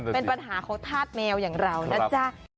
เป็นปัญหาของธาตุแมวอย่างเรานะจ๊ะ